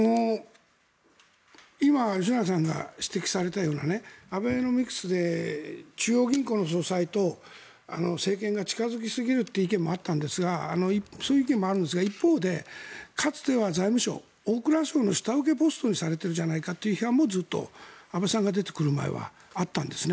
今、吉永さんが指摘されたようなアベノミクスで中央銀行の総裁と政権が近付きすぎるという意見もあったんですがそういう意見もあるんですが一方で、かつては財務省、大蔵省の下請けポストにされているじゃないかという批判もずっと安倍さんが出てくる前はあったんですね。